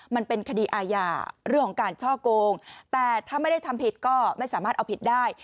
มันเป็นคดีอาญาเรื่องของการช่อโกงแต่ถ้าไม่ได้ทำผิดก็ไม่สามารถเอาผิดได้